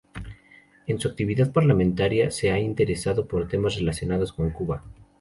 En su actividad parlamentaria se ha interesado por temas relacionados con Cuba.